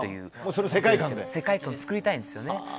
その世界観を作りたいんですね。